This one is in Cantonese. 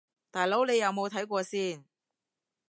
大佬你有冇睇過先